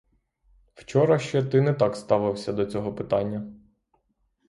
Вчора ще ти не так ставився до цього питання.